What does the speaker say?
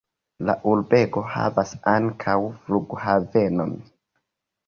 La urbego havas ankaŭ flughavenon.